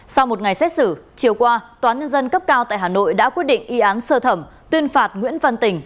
sau một ngày xét xử chiều qua tòa nhân dân cấp cao tại hà nội đã quyết định y án sơ thẩm tuyên phạt nguyễn văn tình